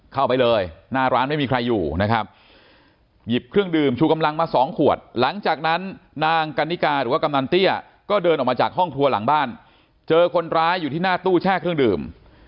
เข้าไปเลยหน้าร้านไม่มีใครอยู่นะครับหยิบเครื่องดื่มชูกำลังมาสองขวดหลังจากนั้นนางกันนิกาหรือว่ากำนันเตี้ยก็เดินออกมาจากห้องครัวหลังบ้านเจอคนร้ายอยู่ที่หน้าตู้แช่เครื่องดื่ม